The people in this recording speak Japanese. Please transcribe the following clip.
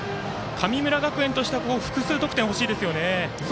神村学園としては複数得点、欲しいですね。